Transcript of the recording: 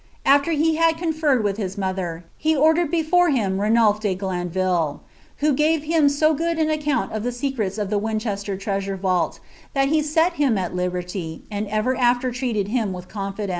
Afier he had conrened wiA his mother, he ordered before him Ranulph dc Glanville^ who gtn Ub 80 good an account of the secrets of the Winchester traasnrMwh, that he set him at liberty, and ever afler treated him witli cotifidMtt.